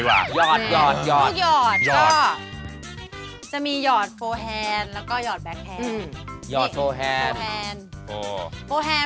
ห้ามต่ำกว่าสดือหรือ